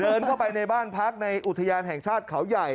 เดินเข้าไปในบ้านพักในอุทยานแห่งชาติเขาใหญ่